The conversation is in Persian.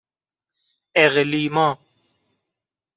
اِقلیما